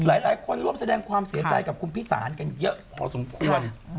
หลายคนร่วมแสดงความเสียใจกับคุณพิสารกันเยอะพอสมควร